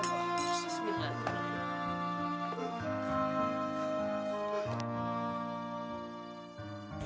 masih smit kan